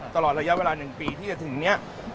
ตลอดระยะเวลา๑ปีที่จะถึงนี้